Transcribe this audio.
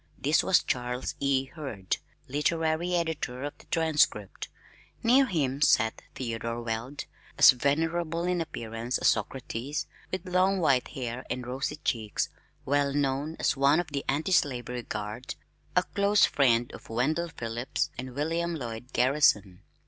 This was Charles E. Hurd, literary editor of the Transcript. Near him sat Theodore Weld, as venerable in appearance as Socrates (with long white hair and rosy cheeks), well known as one of the anti slavery guard, a close friend of Wendell Phillips and William Lloyd Garrison.